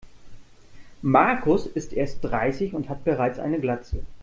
Markus ist erst dreißig und hat bereits eine Glatze.